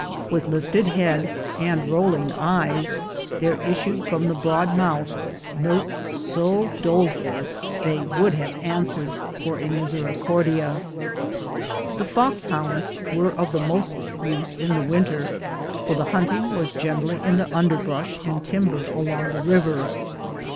With lifted head and roll ing eyes there issued from the broad mouth notes so doleful they would have answered for a misericordia. The fox hounds were of the most use in the winter, for the hunting was generally in the underbrush and timber along the river.